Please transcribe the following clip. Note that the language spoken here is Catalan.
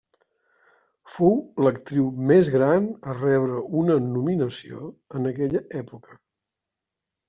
Fou l'actriu més gran a rebre una nominació en aquella època.